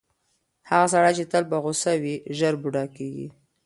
هغه سړی چې تل په غوسه وي، ژر بوډا کیږي.